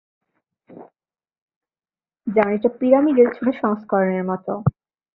যা অনেকটা পিরামিডের ছোট সংস্করণের মত।